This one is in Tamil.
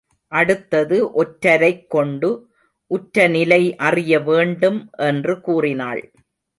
அடுத்தது ஒற்றரைக் கொண்டு உற்றநிலை அறிய வேண்டும் என்று கூறினாள்.